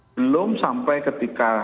belum sampai ketika